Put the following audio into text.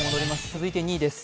続いて２位です。